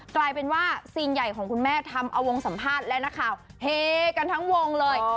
กลายเป็นว่าสิ่งใหญ่ของคุณแม่ทำเอาวงสัมภาษณ์และนักข่าวเฮกันทั้งวงเลย